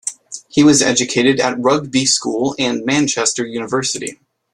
He was educated at Rugby School and Manchester University.